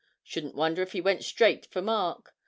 Shouldn't wonder if he went straight for Mark.